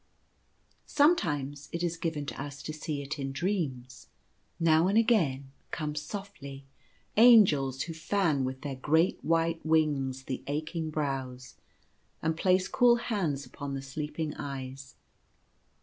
Sometimes it is given to us to see it in dreams. Now and again come, softly, Angels who fan with their great white wings the aching brows, and place cool hands upon the sleeping eyes.